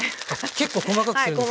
結構細かくするんですね。